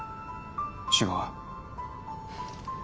違う。